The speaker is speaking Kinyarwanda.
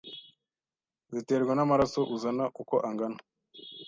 ziterwa n’amaraso uzana uko angana